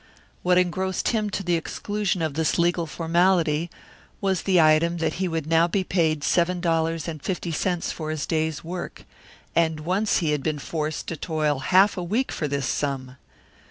What engrossed him to the exclusion of this legal formality was the item that he would now be paid seven dollars and fifty cents for his day's work and once he had been forced to toil half a week for this sum!